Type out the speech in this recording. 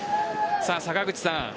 坂口さん